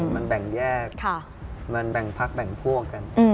มันแบ่งแยกมันแบ่งพักแบ่งพวกกัน